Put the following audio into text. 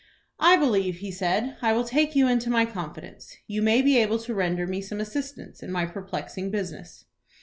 "I believe," he said, "I will take you into my confidence. You may be able to render me some assistance in my perplexing business."